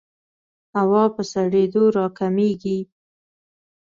هوا په سړېدو راکمېږي.